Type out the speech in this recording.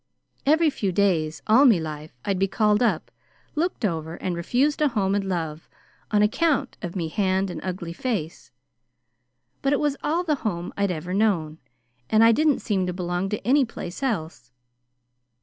"Every few days, all me life, I'd to be called up, looked over, and refused a home and love, on account of me hand and ugly face; but it was all the home I'd ever known, and I didn't seem to belong to any place else.